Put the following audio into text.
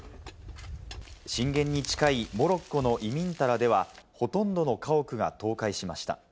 震源に近いモロッコのイミンタラでは、ほとんどの家屋が倒壊しました。